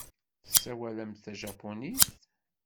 Tessawalemt tajapunit.